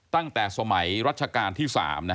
ตั้งแต่สมัยรัชกาลที่๓